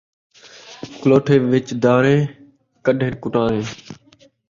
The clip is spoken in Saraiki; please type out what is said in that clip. کلھوٹے وِچ داݨے ، کݙݨ کٹاݨے